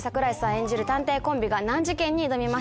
演じる探偵コンビが難事件に挑みます。